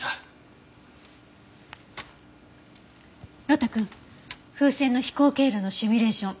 呂太くん風船の飛行経路のシミュレーション